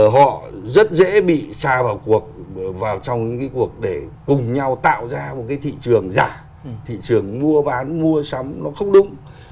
họ rất dễ bị xa vào cuộc vào trong những cái cuộc để cùng nhau tạo ra một cái thị trường giả thị trường mua bán mua sắm nó không đúng